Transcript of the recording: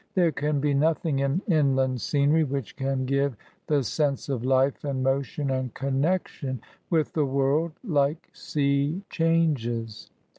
There can be nothing in inland scenery which can give the sense of life and motion and connexion with the world like sea changes.